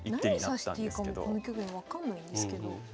何指していいかこの局面分かんないんですけど。